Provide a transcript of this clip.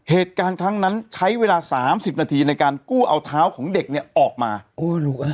เหตุการณ์ครั้งนั้นใช้เวลาสามสิบนาทีในการกู้เอาเท้าของเด็กเนี่ยออกมาโอ้ลูก